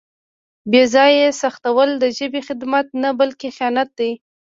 بې ځایه سختول د ژبې خدمت نه بلکې خیانت دی.